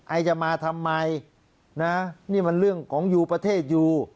ไอจะมาทำไมนะนี่มันเรื่องของอยู่ประเทศอยู่